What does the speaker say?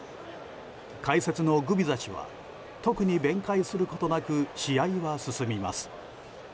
解説のグビザ氏は特に弁解することなく試合は進みます。